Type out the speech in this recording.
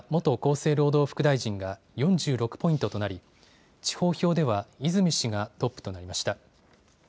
生労働副大臣が４６ポイントとなり、地方票では泉氏がトップとなりました。